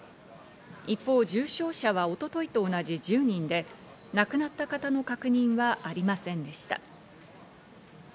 一方、重症者は一昨日と同じ１０人で、亡くなった方の確認はありませんでした。